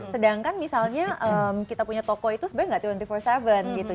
sedangkan misalnya kita punya toko itu sebenarnya nggak dua puluh empat tujuh gitu